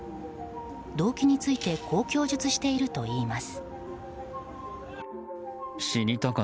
動機についてこう供述しているといいます。